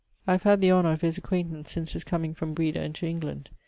I have had the honour of his acquaintance since his comeing from Breda into England.